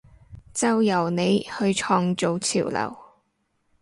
就由你去創造潮流！